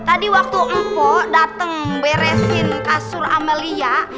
tadi waktu empo datang beresin kasur amelia